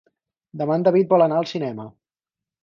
Demà en David vol anar al cinema.